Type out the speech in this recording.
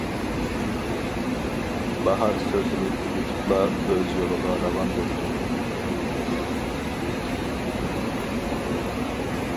باھار سۆزىنى تۈگىتىپلا ئۆز يولىغا راۋان بوپتۇ.